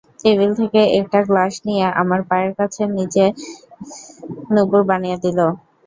Table থেকে একটা glass নিয়ে আমার পায়ের কাছে কাচের নূপুর বানিয়ে দিল।